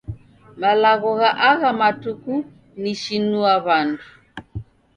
Malagho gha agha matuku ni shinua w'andu.